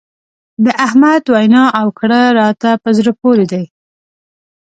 د احمد وينا او کړه راته په زړه پورې دي.